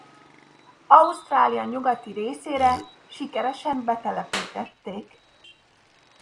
Ausztrália nyugati részére sikeresen betelepítették.